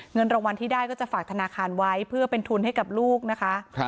เงินรางวัลที่ได้ก็จะฝากธนาคารไว้เพื่อเป็นทุนให้กับลูกนะคะ